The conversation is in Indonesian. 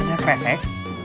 punten ada kresek